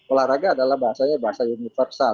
olahraga adalah bahasanya bahasa universal